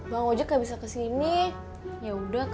bang ojek gabisa kesini yaudah kagak